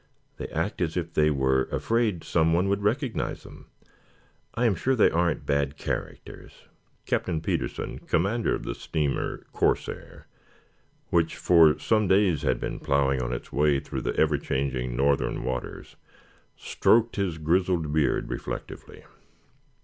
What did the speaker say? They act as if they were afraid someone would recognize them. I am sure they aren't bad characters." Captain Petersen, commander of the steamer "Corsair," which for some days had been plowing its way through the ever changing northern waters, stroked his grizzled beard reflectively.